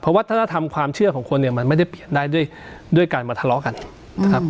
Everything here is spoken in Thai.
วัฒนธรรมความเชื่อของคนเนี่ยมันไม่ได้เปลี่ยนได้ด้วยการมาทะเลาะกันนะครับ